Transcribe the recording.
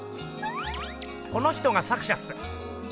この人が作者っす。